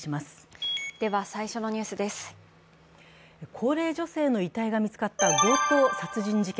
高齢女性の遺体が見つかった強盗殺人事件。